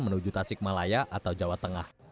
menuju tasik malaya atau jawa tengah